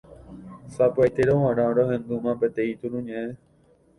Sapy'aitérõ g̃uarã rohendúma peteĩ turuñe'ẽ.